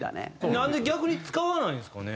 なんで逆に使わないんですかね？